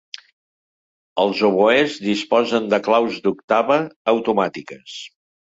Els oboès disposen de claus d'octava automàtiques.